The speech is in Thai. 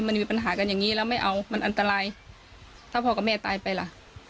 มันมีปัญหากันอย่างงี้แล้วไม่เอามันอันตรายถ้าพ่อกับแม่ตายไปล่ะ